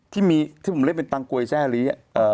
ที่มีที่ผมเล่นเป็นตังกวยแชรี